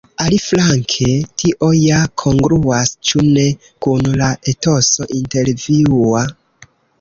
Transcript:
Aliflanke tio ja kongruas, ĉu ne, kun la etoso intervjua?